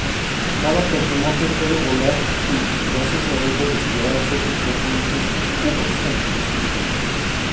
Cada Superman puede volar y, gracias a ello, esquivar a ciertos personajes u obstáculos.